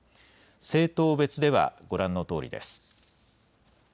政党別ではご覧のとおりです。